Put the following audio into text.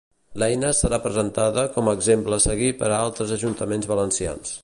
L'eina serà presentada com a exemple a seguir per a altres ajuntaments valencians.